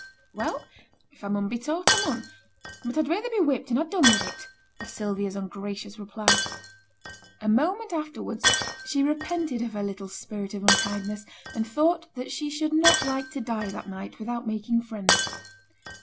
'Well! if I mun be taught, I mun; but I'd rayther be whipped and ha' done with it,' was Sylvia's ungracious reply. A moment afterwards, she repented of her little spirit of unkindness, and thought that she should not like to die that night without making friends.